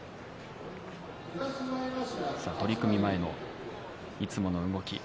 取組前のいつもの動き。